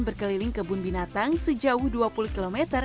berkeliling kebun binatang sejauh dua puluh km